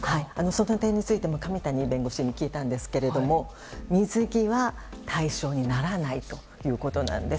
その点についても上谷弁護士に聞いたんですが水着は対象にならないということなんです。